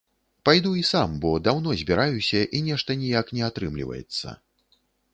Пайду і сам, бо даўно збіраюся і нешта ніяк не атрымліваецца.